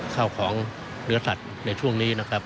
ข้าวของเนื้อสัตว์ในช่วงนี้นะครับ